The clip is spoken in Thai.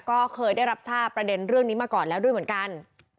ก็เคยได้รับทราบประเด็นเรื่องนี้มาก่อนแล้วด้วยเหมือนกัน